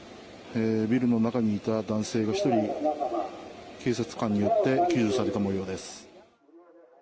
ビルの中にいた男性が１人警察官によって救助された模様です。